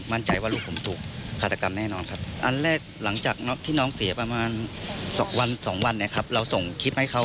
อันแรกหลังจากนอดที่นองเสียประมาณสองวันสองวันนะครับเราส่งคิดให้เขา